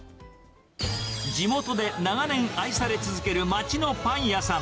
地元で長年愛され続ける街のパン屋さん。